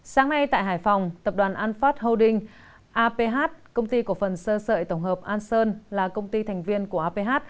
sáng nay tại hải phòng tập đoàn anphat holding aph công ty cổ phần sơ sợi tổng hợp an sơn là công ty thành viên của aph